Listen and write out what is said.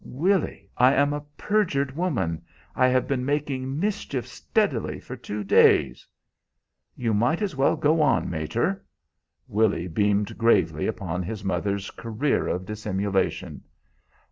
"Willy, I am a perjured woman! I have been making mischief steadily for two days." "You might as well go on, mater." Willy beamed gravely upon his mother's career of dissimulation.